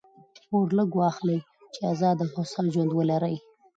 پور لږ واخلئ! چي آزاد او هوسا ژوند ولرئ.